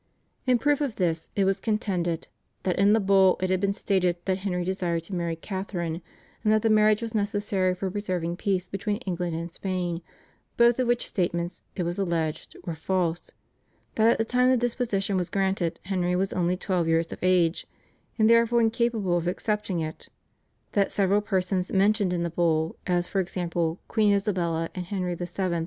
In proof of this it was contended: that in the Bull it had been stated that Henry desired to marry Catharine, and that the marriage was necessary for preserving peace between England and Spain, both of which statements, it was alleged, were false; that at the time the disposition was granted Henry was only twelve years of age and therefore incapable of accepting it; that several persons mentioned in the Bull, as for example, Queen Isabella and Henry VII.